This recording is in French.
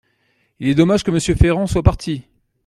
Il est dommage que Monsieur Ferrand soit parti.